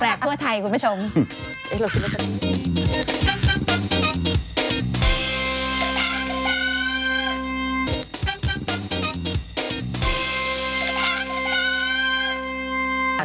แปลกทั่วไทยคุณผู้ชม